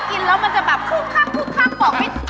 ถ้ากินแล้วมันจะแบบคุกคักบอกวิธี